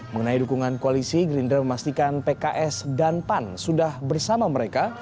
mengenai dukungan koalisi gerindra memastikan pks dan pan sudah bersama mereka